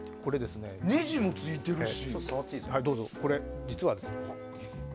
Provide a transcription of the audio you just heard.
ネジもついてるし。